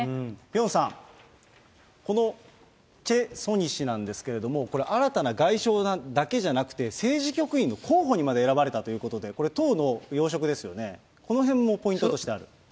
ピョンさん、このチェ・ソニ氏なんですけれども、新たな外相だけじゃなくて政治局員の候補にまで選ばれたということで、これ党の要職ですよね、このへんもポイントとしてある？